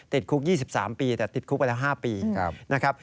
ติดคุก๒๓ปีแต่ติดคุกไปแล้ว๕ปีนะครับ